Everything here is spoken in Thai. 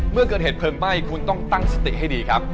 เมื่อเกิดเหตุเพลิงไหม้คุณต้องตั้งสติให้ดีครับ